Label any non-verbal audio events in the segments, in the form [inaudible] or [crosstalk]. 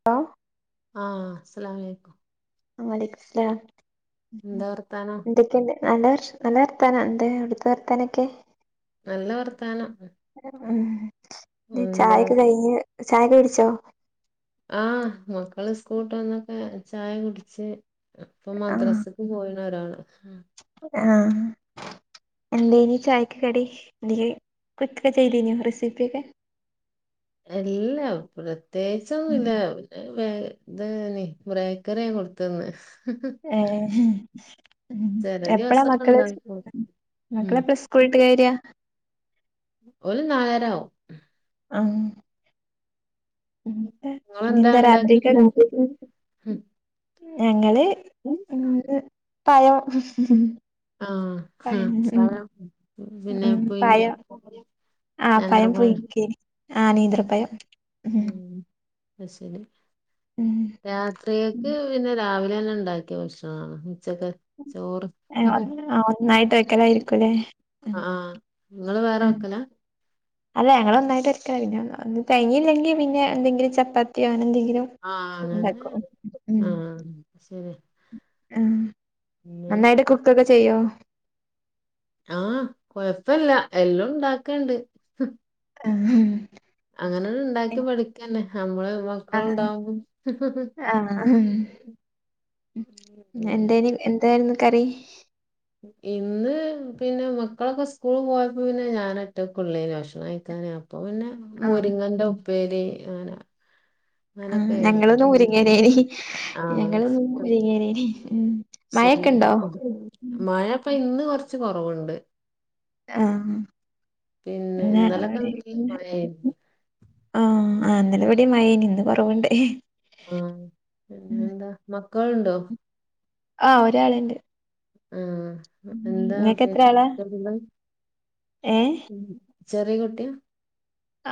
[unintelligible] ആഹ് അസലമലേക്കും വാ അലൈക്കും അസ്‌ലാം എന്താ [unintelligible] വർത്താനം ത്തിന്റെ നല്ലവർഷ നല്ലവർത്താന എന്തേ അടുത്ത വർത്താനൊക്കെ നല്ല വർത്താനം ഉം എന്താ ചായൊക്കെ കഴിഞ്ഞ് ചായൊക്കെ കുടിച്ചോ ആഹ് മക്കള് സ്കൂള്ട്ട് വന്നൊക്കെ ചായ കുടിച്ച് അപ്പൊ ആഹ് മദ്രസ് പോയതാരാണ് ആഹ് എന്തേനി ചായക്ക് കടി എന്തേ കൊച്ചൊക്കെ ചെയ്തനു റെസിപ്പി ഒക്കെ എല്ലാം പ്രത്യേകിച്ചൊന്നുല്ല വേ ഇതാണേ ബ്രേക്കറി കൊടുത്തന്ന് ഏഹ് ഉം ചെല എപ്പഴാ ദിവസൊക്കെ മക്കള് ഇണ്ടാക്കും ഉം മക്കളെപ്പഴ സ്കൂളട്ട് വരിയ ഓല് നാലരയാവും [unintelligible] നിങ്ങള് എന്താ ഇനിയെന്താ രാത്രിക്ക് ഇണ്ടാക്കിയെ ഞങ്ങള് ഉം പഴം ആഹ് ആഹ് പയം പഴം പിന്നെ ഉം പയം പുഴുങ്ങിയോ നേന്ത്രപഴം പുഴുങ്ങി ആ നേന്ത്രപ്പയം ഉം അത് ശരി ഉം രാത്രിയേക്ക് പിന്നെ രാവിലെന്നെ ഇണ്ടാക്കിയ ഭക്ഷണമാണ് ഉച്ചക്ക് ചോറ് ഹെ അതിങ്ങനെ ഒന്നായിട്ട് അയ്ക്കലഇരി ക്കുലേ ആ നിങ്ങള് വേറെ ആ വെക്കലാ അല്ല ഞങ്ങളൊന്നായിട്ടക്കലാ പിന്നെ തെയഞ്ഞില്ലെങ്കിൽ പിന്നെ എന്തെങ്കിലും ചപ്പാത്തിയോ അങ്ങനെന്തെങ്കിലും ആ അങ്ങനെ ആഹ് ശരി ഹാ പിന്നെ നന്നായിട്ട് കുക്കൊക്കെ ചെയ്യോ ആ കൊഴപ്പില്ല എല്ലാം ഇണ്ടാക്കണ്ട് ആ ഹ് അങ്ങനെണ്ടാക്കി പഠിക്കണ നമ്മള് വ ആഹ ആഹ ആഹാ ആം എന്തേ ന്നി എന്ദ് തേനു കറി ഇന്ന് പിന്നെ മക്കളൊക്കെ സ്കൂള് പോയപ്പോ പിന്നെ ഞാന് ഒറ്റക്കള്ളേനി ഭക്ഷണം കഴിക്കാന് അപ്പൊ പിന്നെ ആ മുരിങ്ങന്റെ ഉപ്പേരി അങ്ങനെ ആ അങ്ങനൊക്കെ ഞങ്ങളന്ന് ആയിന് മുരിങ്ങലേനി ഞങ്ങളിന്ന് ആ മുരുങ്ങലനി ഉ ശരി മഴപ്പൊ ഇന്ന് കൊറച്ച് കൊറവ്ണ്ട് ആഹ ഇന്ന് ഞങ്ങളെ ഇന്നലൊക്കെ അവിടെ നല്ല ല്ല മഴയായിരുന്നു ആഹ അ ഇന്നലെ ഇവിടിം മഴേനി ഇന്ന് കൊറവ്ണ്ട് ആഹ് പിന്നെ ഉം എന്താ മക്കളുണ്ടോ ആ ഒരാള്ണ്ട് ആഹ എന്താ ഇങ്ങക്ക് പ എത്ര ആളാ ഏഹ് [unintelligible] ചെറീകുട്ടിയാ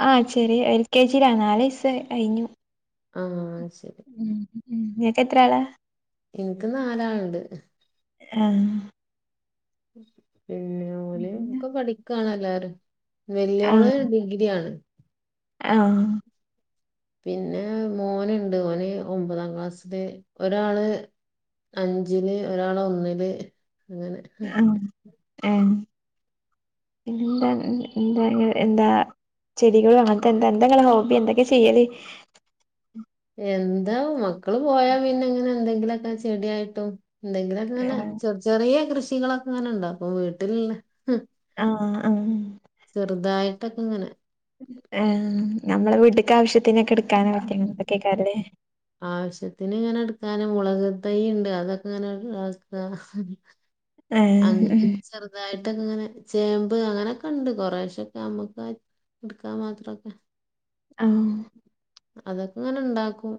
ആ ചെറിയ എൽ കെ ജിയിലാണ് നാലെസ് കയിന്നു ഹാ ശരി ഉം ഉം ഇങ്ങക്ക് എത്ര ആള ഇനിക്ക് നാലാള്ണ്ട് ആഹാ പിന്നെ ഓല് ഒക്കെ പഠിക്കണല്ലാരും വെല്യോള് ഡിഗ്രിാണ് ആഹാ പിന്നെ മോനുണ്ട് ഓന് ഒമ്പതാം ക്ലാസ്സില് ഒരാള് അഞ്ചില് ഒരാള് ഒന്നില് അങ്ങനെ ആ ഹെ ഇല്ല ഹ് ന്താ [unintelligible] എന്താ ചെടികൾ അങ്ങനത്തെ എന്താ എന്തെെ നിങ്ങളെ ഹോബി എന്തൊക്കെ ചെയ്യല് ഹ് എന്താ മക്കള് പോയാ പിന്നെ ഇങ്ങനെ എന്തെങ്കിലുക്കെ ചെടിയായിട്ടും എന്തെങ്കിലും ക്കെങ്ങനെ ആഹ് ചെറ് ചെറിയ കൃഷികളൊക്കെ ഇങ്ങനെ ഇണ്ടക്കും വീട്ടില്ള്ള ഹ് ആഹ് ആഹ് ചെറുതായിട്ടൊക്കെങ്ങനെ എ നമ്മളെ വീട്ടക്ക് ആവശ്യത്തിനക്കെ എടുക്കാന് ക്കെഅങ്ങതെക്കെല്ലേ ആവശ്യത്തിന് ഇങ്ങനെ എടുക്കാന് മുളക് തൈ ഇണ്ട് അതൊക്കെ ഇങ്ങനെ അക്ക അങിനെ ആഹ് ഇ ച് ർ ചെറുതായിട്ടൊക്കങ്ങനെ ചേമ്പ് അങ്ങനെയൊക്കെണ്ട് കുറെേശൊക്കെ നമ്മുക്ക് ഇടുക്കാൻ മാത്രംക്കെ ആഹ അതൊക്കെ ഇങ്ങനെ ഇണ്ടാക്കും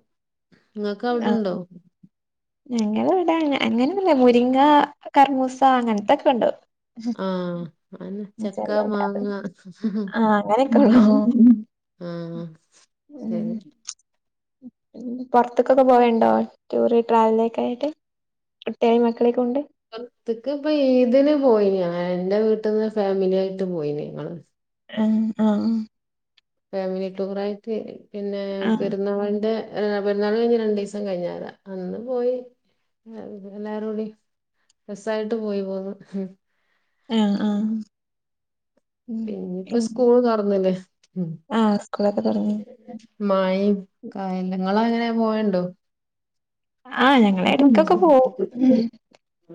നിങ്ങക്ക് അവിടെണ്ടോ ഞങ്ങളവിടെഅങ്ങനെ അങ്ങനല്ലേ മുരിങ്ങ കർമൂസ അങ്ങനത്തൊക്ക് ണ്ടോ ആഹ അഹന്നെ ചക്കാ അത് മാങ്ങ ആഹ് അങ്ങനെയൊക്കെ ഉള്ളൂ ആഹാ ഹെ പൊറത്ത്ക്കൊക്കെ പോവയ്ണ്ടോ ടൂറ് ട്രാവല ഒക്കെയായിട്ട് കുട്ട്വയി മക്കളെക്കെ കൊണ്ട് പൊറത്ത്ക്ക്പ്പം ഈദിന് പോയിന്ന് ഞാന് എന്റെ വീട്ട്ന്ന് ഫാമിലിയായിട്ട് പോയി ഞങ്ങള് ആഹ് ആഹ് ഫാമിലി ടൂറായിട്ട് പിന്നെ ആഹ് പെരുന്നാളിന്റെ പെരുന്നാള് കഴിഞ്ഞ് രണ്ടീസം കഴിഞാ രെ അന്ന് പോയി എല്ലാരൂടി രസായിട്ട് പോയി പോന്നു ആഹ് ആഹ് ഉം പിന്നെ ഇപ്പോ ഉം സ്കൂള് തൊറാന്നില്ലേ ആഹ് സ്കൂളൊക്കെ തൊറന്ന് മഴയ് കായല് ങ്ങങ്ങളങ്ങനെ പോവല്ണ്ടോ ആഹ് ഞങ്ങളെട്ക്കൊക്കെ പോവും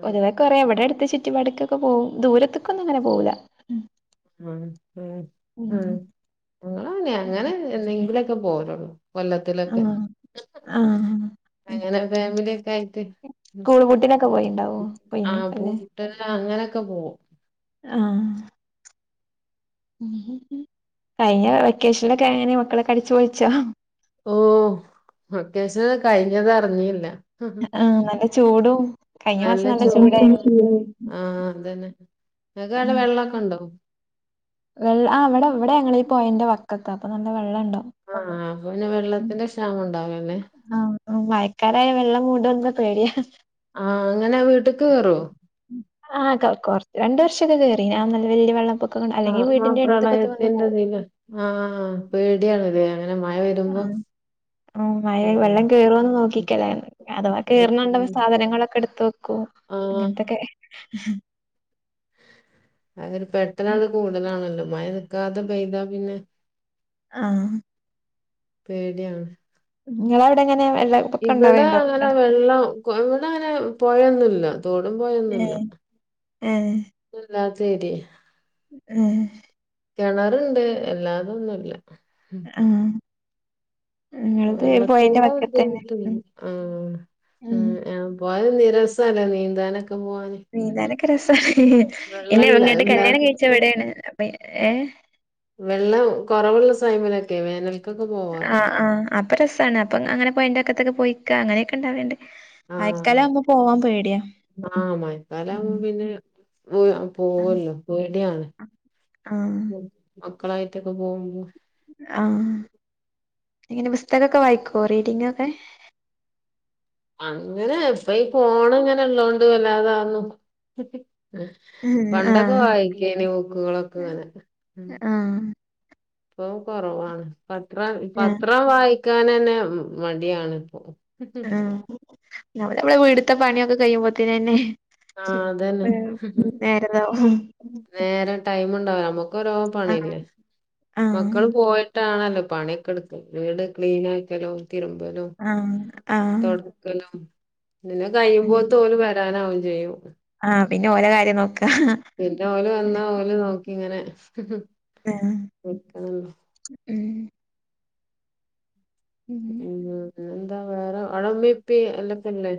ഒരു വ കുറെവിടെ അടുത്ത ചുറ്റുപാടിക്കൊക്കെ പോവും ദൂരത്ക്കൊന്നും ങ്ങനെ പോവൂല ഉം ഉം [unintelligible] അങ്ങനെ എന്നെങ്കിലൊക്കെ പോവലൊള്ളൂ കൊല്ലത്തിലൊക്കെ ആഹ് ആഹ് അങ്ങനെ ഫാമിലിയൊക്കായിട്ട് സ്കൂൾ [unintelligible] പൂട്ടിനൊക്കെ പോയിണ്ടാവോ പോയിനേക്കുല്ലേ ട്ട അങ്ങനെയൊക്കെ പോവും ആഹ് കഴിഞ്ഞ വെക്കേഷനിലൊക്കെ എങ്ങനെ മക്കളൊക്കെ അടിച്ച് പൊളിച്ചോ ഓഹ് വെക്കേഷൻ കഴിഞ്ഞത് അറിഞ്ഞില്ല ആഹ് നല്ല ചൂടും കഴിഞ്ഞ നല്ല മാസം ജോ ചൂടായിരുന്നു ആഹ് അതന്നെ ങ്ങക്കവിടെ വെള്ളൊക്കെ ഇണ്ടാ ഉം ആഹ് ഇവിടെ ഞങ്ങളീ പൊഴന്റെ വക്കത്ത അപ്പൊ നല്ല വെള്ളണ്ടാവും ആഹ് അപ്പൊ പിന്നെ വെള്ളത്തിന്റെ ക്ഷാമം ഉണ്ടാവല്ലെ ആഹ് മഴക്കാലായാല് വെള്ളം കൂടുന്ന് പേടിയാ ആഹ് അങ്ങനെ വീട്ടിക്ക് കേറോ ആഹ് രണ്ട് വർഷൊക്കെ കേറീന്ന് ആഹ് വല്യ വെള്ള പൊക്കം ആഹ് ആഹ് പ്രളയത്തിന്റെദില് ആഹ് പേടിയണല്ലേ അങ്ങനെ മഴ വരുമ്പോ ആഹ് മഴ ഉം. വെള്ളം കേറോന്ന് നോക്കിക്കലാ അഥവാ കേറ്ണണ്ട് ഉം. സാധനങ്ങളൊക്കെ എടുത്തുവെക്കും ആ അങ്ങനത്തൊക്കെ അതൊരു പെട്ടെന്ന് കൂടുതലാണല്ലോ മഴ നിൽക്കാത്തെ പെയ്താ പിന്നെ ആഹ് പേടിയാണ് ങ്ങളെവിടങ്ങനെ വെള്ളം ഇവിടെങ്ങനെ വെള്ളം ഇവിടെ അങ്ങനെ പുഴന്നുല്യാ തോടും പുഴയൊന്നുല്ല ഏഹ് ഏഹ് ഒന്നും ഇല്ലാത്ത ഏര്യയാണ് ഏഹ് കെണറുണ്ട് എല്ലാതൊന്നുല്ല ആഹ് നിങ്ങളത് പൊഴേന്റെ വെള്ളത്തിന്റെ വക്കത്തന്നെ ഉം ബുദ്ധിമുട്ട് ഉം ആഹ് പോയാ രസാല്ലെ നീന്താനൊക്കെ പോവാന് നീന്താനൊക്കെ രസാണ് വെള്ളമില്ല എന്നെങ്ങട്ട് കല്യാണം ഇല്ലാത്ത കഴിച്ചത് ഇവിടേണ് ഏഹ് വെള്ളം കുറവുള്ള സൈമിലൊക്കെ വേനൽ ആ ആ ആഹ് അപ്പം രസാണ് അപ്പം അങ്ങനെ പൊഴന്റെക്കത്തൊക്കെ പോയി ഇരിക്ക അങ്ങനൊക്കെണ്ടാവല്ണ്ട് ആ മഴക്കാലാവുമ്പോ പോവാൻ പേടിയാണ് ആ മഴക്കാലാകുമ്പോ പിന്നെ പോവല്ലോ പേടിയാണ് ആഹ് മക്കളായിട്ടൊക്കെ പോകുമ്പോ ആഹ് ഇങ്ങനെ പുസ്തകൊക്കെ വായിക്കോ റീഡിംഗൊക്കെ അങ്ങനെ ഇപ്പ ഈ ഫോണ്ള്ളതോണ്ട് വല്ലാതെ അതൊന്നും ആഹ് പണ്ടൊക്കെ ആഹ് വായിക്കേനി ബുക്കുകളൊക്കെങ്ങനെ ആഹ് ഇപ്പൊ കുറവാണ് പത്രം പത്രം വായിക്കാനെന്നെ മടിയാണ് പ്പൊ ഉം ഞമ്മളെ വീട്ട്ത്തെ പണിയൊക്കെ കഴിയുമ്പോക്കിനന്നെ ആഹ് അതന്നെ നേരതാവും നേരെ ടൈമ ഉണ്ടാവില്ല നമ്മുക്ക ഓരോ ആഹ് പണില്ലേ ആഹ് മക്കള് പോയി ഇങ്ങട്ടാണല്ലോ പണിയൊക്കെ എടുത്ത് വീട് ക്ലീൻ ആക്കലോ തിരുമ്പലോ ആഹ് ആഹ് പിന്നെ ഉം കഴിയുമ്പോതോല് വരാനാവും ചെയ്യും ആഹ് പിന്നെ ഓലെ കാര്യം നോക്ക പിന്നെ ഓല് വന്നാ ഓല് നോക്കി ഇങ്ങനെ ആഹ നിക്കണല്ലോ ഉം ഉം എന്താ വേറെ അട ഉമി ഉപ ഓലക്കലെ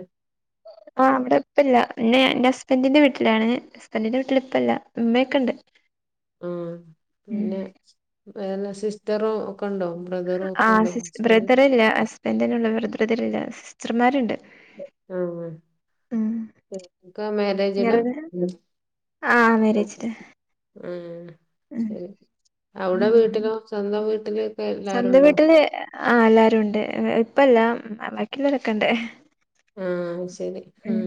ആഹ് അവിടെ ഇപ്പ ഇല്ല പിന്നെ എൻ്റെ ഹസ്ബൻറിന്റെ വീട്ടിലാണ് ഹസ്ബൻറിന്റെ വീട്ടിലിപ്പില്ല ഉമ്മയൊക്കെ ഉണ്ട് ആഹ് പിന്നെ വേറെ സിസ്റ്ററും ഒക്കെ ഉണ്ടോ ബ്രദറും ഒക്കെ ഉണ്ടോ ആഹ് ഹസ്ബൻഡ് ബ്രദറില്ല ഹസ്ബൻഡ് തന്നെ ഉള്ള ബ്രദറല്ല സിസ്റ്റർമാരുണ്ട് ആഹ് ഉം ഒക്കെ മെറെജില നിങ്ങളത് ആഹ് മെറെജിഡ് ഉം ശരി അവിടെ ഉം വീട്ടിലോ സ്വന്തം വീട്ടില് സ്വന്തം വീട്ടില് ആഹ് എല്ലാരും ഉണ്ട് ഇപ്പല്ല ബാക്കിയുള്ളവരെക്കെണ്ട് ആഹ് ശരി ഉം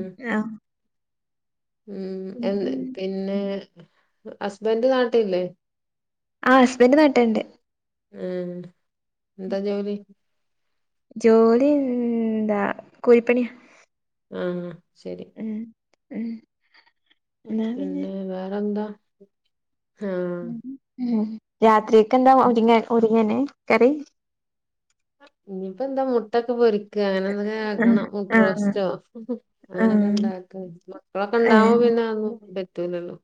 ഉം എഹ് പിന്നെ ഹസ്ബൻഡ് നാട്ടിലില്ലെ ആഹ് ഹസ്ബൻഡറ് നാട്ടിലുണ്ട് ആഹ് എന്താ ജോലി ജോലി എന്താ കൂലിപ്പണി ആഹ് ശരി ഉം ഉം പിന്നെ വേറെന്താ ആഹ് രാത്രിക്കെ എന്താ ഒരിങ്ങ ഒരിങ്ങനെ കറി ഇനിയിപ്പന്താ മുട്ടൊക്കെ പൊരിക്ക അങ്ങനെ എന്തൊക്കെ ആഹ് ആക്കണം ആഹ് മുട്ട്രോസ്‌റ്റോ അങ്ങനൊക്കെ ഇണ്ടാക്ക മക്കളൊക്കെ ഏഹ് ഉണ്ടാവബോ പിന്നെ അത് ഒന്നും പറ്റൂലല്ലോ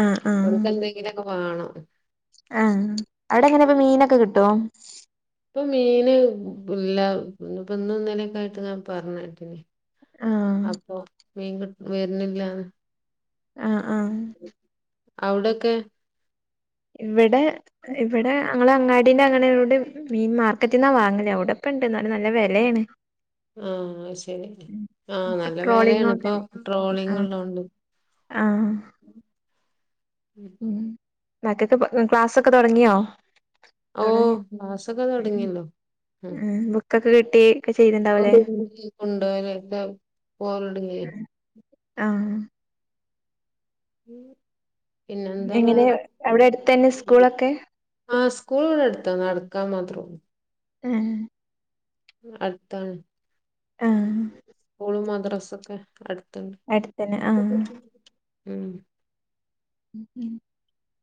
ആഹ് ആഹ് അവർക്ക് എന്തെങ്കിലൊക്കെ വാണം ആഹ് അവിടെ എങ്ങനെ ഇപ്പ മീനൊക്കെ കിട്ടുവോ ഇപ്പൊ മീന് ഇല്ല ഇപ്പ ഇന്ന്ന്നിലക്കെ ആയിട്ട് ഞാൻ പറഞ്ഞട്ടെ ആഹ് അപ്പൊ മീൻ വരുന്നില്ലന്ന് ആഹ ആഹ അവിടൊക്കെ ഇവിടെ ഇവിടെ ഞങ്ങള് അങ്ങാടിൻ്റെ അങ്ങനെട് മീൻ മാർക്കറ്റിൽന്നാ വാങ്ങലേ അവിടപ്പണ്ട് എന്ന നല്ല വിലയാണ് ആഹ ശരി ആഹ ഇപ്പൊ നല്ല ട്രോളിങ്ങും വലയാണ് ഇപ്പൊ ട്രോളിംങ്ങ് ഉള്ളതോണ്ട് ആഹ ഉം മക്കൊക്കെ ക്ലാസ്ക്കെ തുടങ്ങിയോ ഓ തുടങ്ങി ക്ലാസ്സൊക്കെ തുടങ്ങിയല്ലോ ഉ ബുക്കൊക്കെ കിട്ടി ഒക്കെ ചെയ്തിണ്ടാവുല്ലേ ണ്ട്ക്ക [unintelligible] പോകല്ലുടങ്ങി ആഹ [inaudible] പിന്നെന്താ എങ്ങനെ വേറെ എവിടെ അടുത്ത തന്നെ സ്കൂളൊക്കെ ആ സ്കൂള് അടുത്താ നടക്കാൻ മാത്രള്ളൂ ഉം അടുത്താൻ ആഹ സ്കൂളും മദ്രാസ ഒക്കെ അടുത്തണ്ട് അടുത്തന്നെ ആഹ് ഉ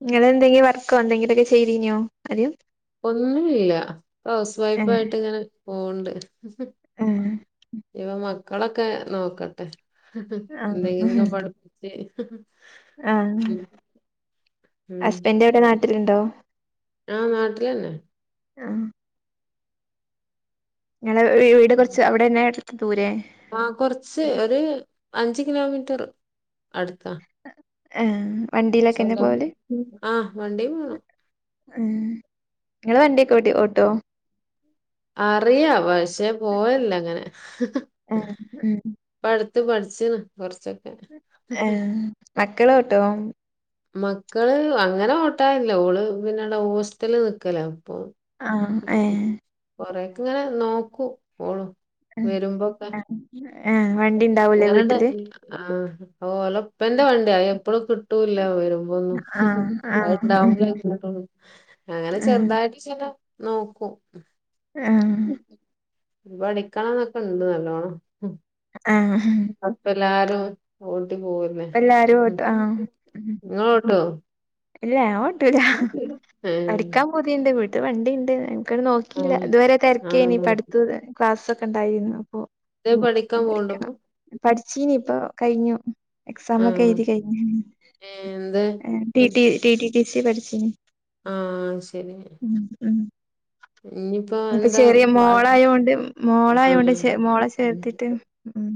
ഇങ്ങള് എന്തെങ്കിലും വർക്കോ എന്തെങ്കിലുംക്കെ ചെയ്തീനോ ആദ്യം ഒന്നുല്ല പ്പൊ ഹൗസ് ഏഹ് വൈഫായിട്ടിങ്ങനെ പോവണ്ട് ഏഹ് ഇഞ്ഞ്പ്പ മക്കളൊക്കെ നോക്കട്ടെ ആഹ് എന്തെങ്കിലുക്കൊ പഠിപ്പിച്ച് ആഹ് ഉം ഉം. ഹസ്ബൻഡ് എവടെ നാട്ടിലുണ്ടോ ആഹ് നാട്ടിലന്നെ ആഹ് ങ്ങളടെ വീട് കുറച്ച് അവിടെന്നെ ദൂരെ ആഹ് കൊറച്ച് ഒരു അഞ്ച് കിലോമീറ്റർ അട്ത്താ ആഹ് വണ്ടിയിലൊക്കെന്നെ സ്വന്തം പോവല് ആഹ് വണ്ടിം വേണം ഉം ങ്ങള് വണ്ടിയൊക്കെ ഓട്ടി ഓട്ടോ അറിയാ പക്ഷേ പോവൽല്ല അങ്ങനെ ആഹ് ഉം പ്പടുത്ത് പഠിച്ച്ണ് കൊർചൊക്കെ ഏഹ് മക്കളോട്ടോ മക്കള് അങ്ങനെ ഓട്ടാറില്ല ഓള് പിന്നടെ ഹോസ്റ്റല് നിക്കലാ അപ്പൊ ആഹ് ഏഹ് കൊറെക്കങ്ങനെ നോക്കൂ ഓളും വരുമ്പോക്കെ എഹ് വണ്ടി ഉണ്ടാവൂല്ലേ അങ്ങനെണ്ട് വീട്ടില് ആഹ് ഉം ഓളപ്പന്റെ വണ്ടിയ അതെപ്പഴും കിട്ടൂല്ല വരും ഒന്നും ആ ആ അത് ഉം ണ്ടാവുമ്പളെകിട്ടൊള്ളു അങ്ങനെ ഉം ചെറുതായിട്ട് [unintelligible] നോക്കും ആഹ് വടിക്കണന്നൊക്കെണ്ട് നല്ലോണ്ണം ആആഹ് അപ്പല്ലാരും ഓട്ടി പോവു പ്പഎല്ലാരും ഓട്ടു ആഹ് ഇങ്ങളോട്ടോ ഇല്ല ഞാ ഓട്ടൂല്ല ഏഹ് പഠിക്കാം പൂ പൂതിണ്ട് വീട്ട് വണ്ടിണ്ട് അയ്മക്കാണ്ട് നോക്കില്ല ആഹ് ഇതുവരെ തെരക്കേനി ആഹ് പടുത്തുതെ ക്ലാസെക്കെണ്ടായീന്നു അപ്പോ ത്തേം പഠിക്കാപോണ്ടോപ്പൊ പഠിച്ചീനി ഇപ്പ കഴിഞ്ഞു എക്സാം ഒക്കെ ആഹ് എഴുതി കഴിഞ്ഞു എന്ത് ഏഹ് ടിടി പഠിച്ച് ടി ടി ടി സി പഠിച്ചീനി ആഹ് ഉം ഇഞ്ഞിപ്പോ ഇപ്പൊ ചെറിയ മോളായൊണ്ട് മോളായൊണ്ട് ആഹ് ചെ മോള ചേർത്തിട്ട് ഉം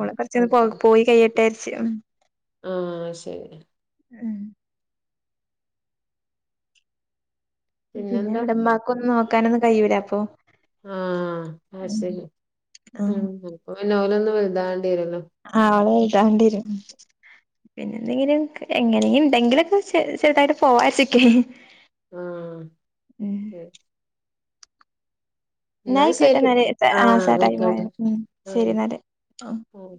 ഓള് കൊർച്ചൊന്ന് പോ പോയി കയ്യെട്ട യാരിച്ച് ഉം ആഹ് ശരി ഉം പിന്നെ പിന്നെന്താ ഇവിടെ ഉമ്മാക്കൊന്നും നോക്കാനൊന്നും കഴിയൂല അപ്പൊ ആഹ് ശരി ഉം ആഹ് ളപ്പൊ പിന്നോലൊന്ന് വൽതാ വേണ്ടിരല്ലോ ആഹ് വൽതാണ്ടിരും പിന്നെ എന്തെങ്കിലും എങ്ങനെും എന്തെങ്കിലുംക്കെ ചെർതായിട്ട് പോവാച്ചക്കേനി ആഹ് തെ ന്നാ എന്നായിക്കോട്ടെ ശരി എന്നാല് ആഹ് ആ ടൈം ആയ്കോട്ടെ ആയി ഉം ശരി ആഹ് എന്നാല് ആ അഹ്